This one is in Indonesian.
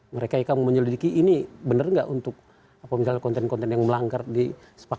mereka yang akan menyelidiki ini benar gak untuk apa misalnya konten konten yang melanggar di sepakar